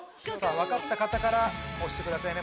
分かった方から押してくださいね。